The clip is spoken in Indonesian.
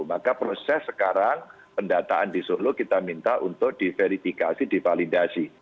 maka proses sekarang pendataan di solo kita minta untuk diverifikasi divalidasi